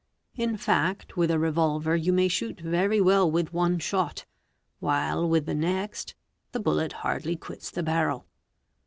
In fact, with a revolver you may shoot very well with "one shot, while with the next, the bullet hardly quits the barrel.